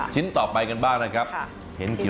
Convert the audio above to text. ชิ้นต่อไปกันบ้างนะครับชิ้นต่อไป